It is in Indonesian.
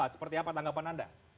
seperti apa tanggapan anda